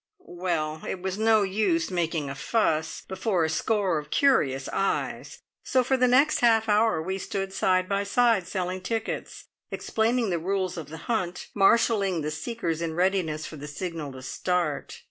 Well, it was no use making a fuss before a score of curious eyes, so for the next half hour we stood side by side, selling tickets, explaining the rules of the Hunt, marshalling the seekers in readiness for the signal to start.